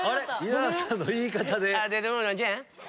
稲田さんの言い方で。